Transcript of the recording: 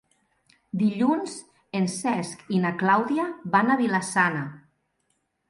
Dilluns en Cesc i na Clàudia van a Vila-sana.